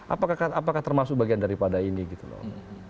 apakah termasuk bagian daripada ini gitu loh